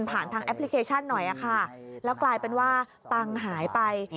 ทางแอปพลิเคชันหน่อยค่ะแล้วกลายเป็นว่าตังค์หายไป